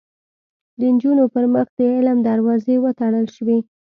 د نجونو پر مخ د علم دروازې وتړل شوې